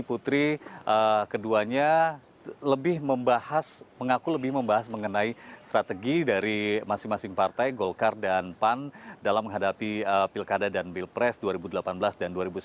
putri keduanya lebih membahas mengaku lebih membahas mengenai strategi dari masing masing partai golkar dan pan dalam menghadapi pilkada dan pilpres dua ribu delapan belas dan dua ribu sembilan belas